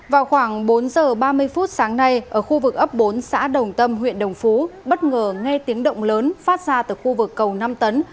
vào khoảng bốn giờ ba mươi phút sáng nay ở khu vực ấp bốn xã đồng tâm huyện đồng phú bất ngờ nghe tiếng động lớn phát ra từ khu vực cầu năm tấn